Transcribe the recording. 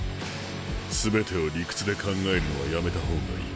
全てを理屈で考えるのはやめた方がいい。